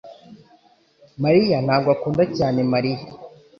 mariya ntabwo akunda cyane Mariya